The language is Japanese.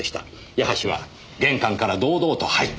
矢橋は玄関から堂々と入ってきた。